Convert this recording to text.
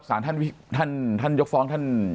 สาธิกาท่านยกฟอง